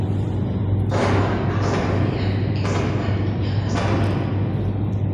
Sua hasi denean ez zegoen inor baserrian.